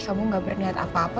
kamu gak berniat apa apa